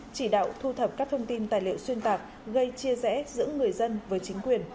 chỉ đạo thu thập các thông tin tài liệu xuyên tạc gây chia rẽ giữa người dân với chính quyền